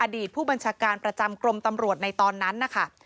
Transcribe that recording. ผู้บัญชาการประจำกรมตำรวจในตอนนั้นนะคะ